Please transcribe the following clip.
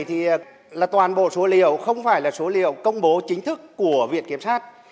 thì là toàn bộ số liệu không phải là số liệu công bố chính thức của viện kiểm sát